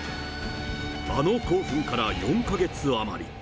あの興奮から４か月余り。